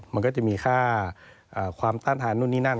มันก็จะมีค่าความต้านทานนู่นนี่นั่น